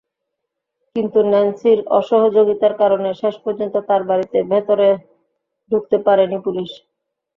কিন্তু ন্যান্সির অসহযোগিতার কারণে শেষ পর্যন্ত তাঁর বাড়ির ভেতরে ঢুকতে পারেনি পুলিশ।